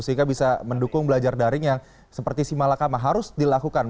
sehingga bisa mendukung belajar daring yang seperti si malakama harus dilakukan